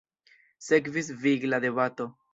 Sekvis vigla debato.